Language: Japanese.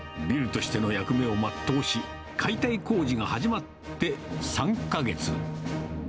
ビルとしての役目を全うし、解体工事が始まって３か月。